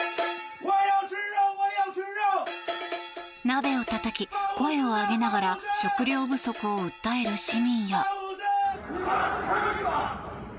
鍋をたたき、声を上げながら食料不足を訴える市民や。